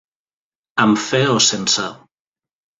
Amb fe o sense.